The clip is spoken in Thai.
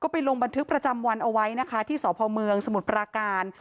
ก็ไปลองบันทึกประจำวันเอาไว้ค่ะที่สหพาคมเมืองสมุดปราการ